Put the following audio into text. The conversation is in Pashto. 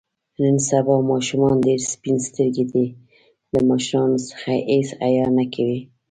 نن سبا ماشومان ډېر سپین سترګي دي. له مشرانو څخه هېڅ حیا نه کوي.